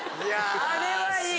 あれはいい。